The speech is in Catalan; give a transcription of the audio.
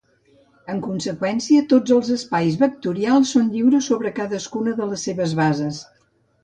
En conseqüència, tots els espais vectorials són lliures sobre cadascuna de les seves bases.